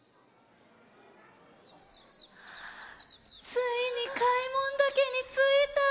ついに開聞岳についた。